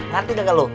ngerti gak gak lo